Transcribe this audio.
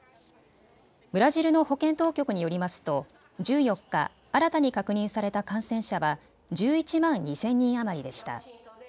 ブラジルの保健当局によりますと１４日、新たに確認された感染者は１１万２０００人余りでした。